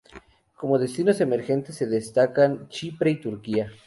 Como destinos emergentes se destacan Chipre y Turquía.